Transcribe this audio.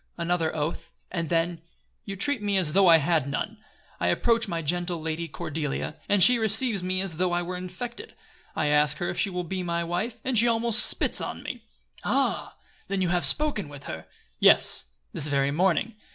"!" Another oath, and then, "You treat me as though I had none. I approach my gentle Lady Cordelia; and she receives me as though I were infected. I ask her if she will be my wife, and she almost spits on me." "Ah! Then you have spoken with her?" "Yes; this very morning.